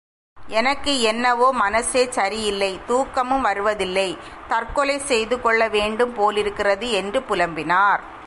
எனக்கு என்னவோ மனசே சரியில்லை தூக்கமும் வருவதில்லை தற்கொலை செய்து கொள்ள வேண்டும் போலிருக்கிறது என்று புலம்பினார்.